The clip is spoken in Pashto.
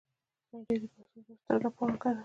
لنډۍ د پښتو ادب ستره پانګه ده.